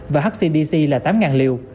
và hcdc là tám liều